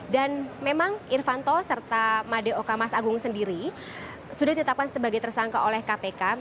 dan memang irvanto serta madeo kamas agung sendiri sudah ditetapkan sebagai tersangka oleh kpk